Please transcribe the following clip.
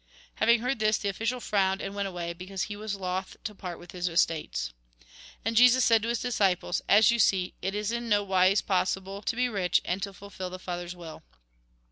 Having heard this, the official frowned, and went away, because he was loth to part with his estates. And Jesus said to his disciples :" As you see, it is in no wise possible to be rich, and to fulfil the Father's will."